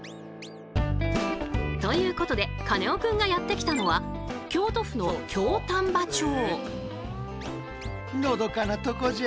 ということでカネオくんがやって来たのは京都府の京丹波町。